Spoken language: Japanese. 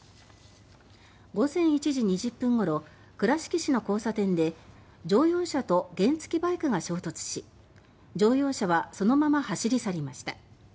午前１時２０分ごろ倉敷市の交差点で乗用車と原付きバイクが衝突し乗用車はそのまま走り去りました。